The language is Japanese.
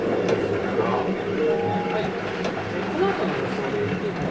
このあとの予想で見ていきま